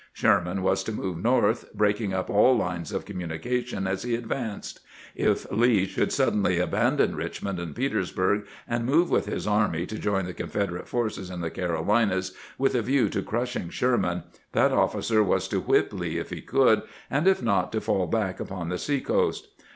Sherman was to move north, breaking up all lines of communication as he advanced. If Lee should suddenly abandon Richmond and Petersburg, and move with his army to join the Confederate forces in the Carolinas with a view to crushing Sherman, that officer was to whip Lee if he could, and if not to faU back upon the sea coast.